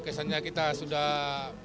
kesannya kita sudah